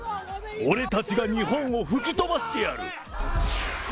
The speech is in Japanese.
俺たちが日本を吹き飛ばしてやる！